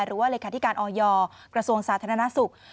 หรือว่าเลขาติการออยร์กระทรวงสาธารณสุข